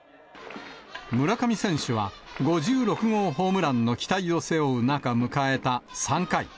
村上選手は、５６号ホームランの期待を背負う中、迎えた３回。